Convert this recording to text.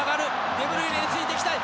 デブルイネについていきたい。